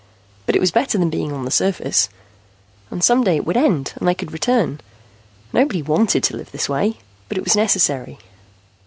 But it was better than being on surface. And some day it would end and they could return. Nobody wanted to live this way, but it was necessary.